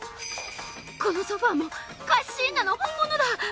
このソファもカッシーナの本物だ！